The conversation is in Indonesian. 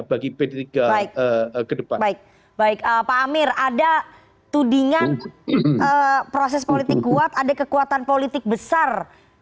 bagi pt tiga ke depan baik baik pak amir ada tudingan proses politik kuat ada kekuatan politik besar